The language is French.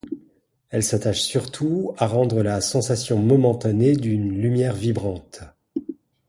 Elle s'attache surtout à rendre la sensation momentanée d'une lumière vibrante.